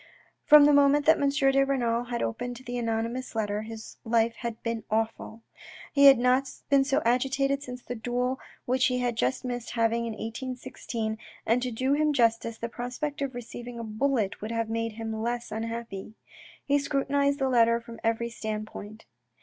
From the moment that M. de Renal had opened the anony mous letter his life had been awful. He had not been so agitated since a duel which he had just missed having in 1816, and to do him justice, the prospect of receiving a bullet would have made him less unhappy. He scrutinised the letter from every standpoint.